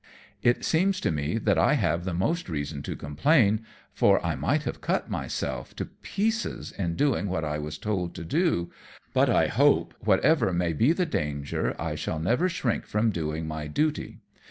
It seems to me that I have the most reason to complain, for I might have cut myself to pieces in doing what I was told to do; but I hope whatever may be the danger I shall never shrink from doing my duty.